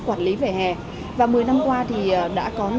quản lý về hè và một mươi năm qua thì đã có